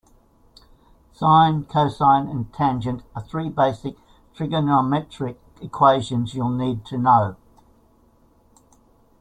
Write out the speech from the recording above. Sine, cosine and tangent are three basic trigonometric equations you'll need to know.